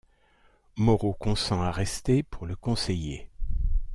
Moreau consent à rester pour le conseiller.